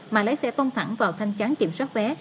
mà lái xe tôn thẳng vào thanh trắng kiểm soát vé